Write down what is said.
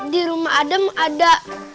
di rumah adam ada